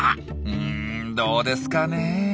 うんどうですかねえ。